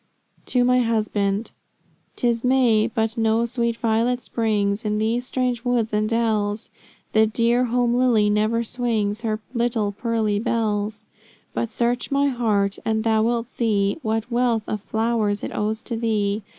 TO MY HUSBAND. "Tis May, but no sweet violet springs In these strange woods and dells; The dear home lily never swings Her little pearly bells; But search my heart and thou wilt see What wealth of flowers it owes to thee.